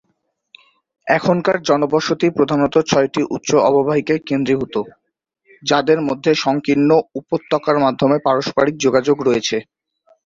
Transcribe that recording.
এখানকার জনবসতি প্রধানত ছয়টি উচ্চ অববাহিকায় কেন্দ্রীভূত, যাদের মধ্যে সংকীর্ণ উপত্যকার মাধ্যমে পারস্পরিক যোগাযোগ রয়েছে।